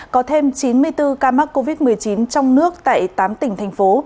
có thêm chín mươi bốn ca mắc covid một mươi chín trong nước tại tám tỉnh thành phố